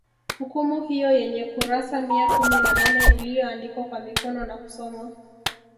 Hukumu hiyo yenye kurasa mia kumi na nane iliyoandikwa kwa mkono nakusomwa